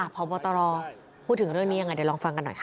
พบตรพูดถึงเรื่องนี้ยังไงเดี๋ยวลองฟังกันหน่อยค่ะ